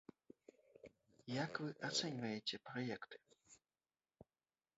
Як вы ацэньваеце праекты?